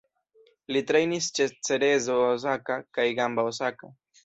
Li trejnis ĉe Cerezo Osaka kaj Gamba Osaka.